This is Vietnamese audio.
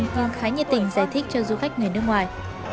còn khá nhiệt tình giải thích cho du khách người nước ngoài